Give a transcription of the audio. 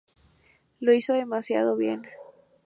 Lo hizo demasiado bien.